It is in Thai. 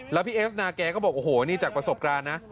แล้วพี่เอฟนาแกก็บอกโอ้โหนี่จากประสบการณ์นะ